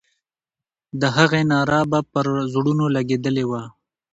د هغې ناره به پر زړونو لګېدلې وه.